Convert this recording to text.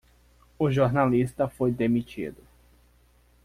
O jornalista foi demitido.